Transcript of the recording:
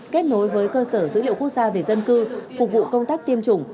kết nối với cơ sở dữ liệu quốc gia về dân cư phục vụ công tác tiêm chủng